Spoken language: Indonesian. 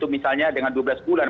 misalnya dengan dua belas bulan